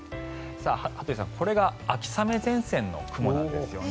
羽鳥さん、これが秋雨前線の雲なんですよね。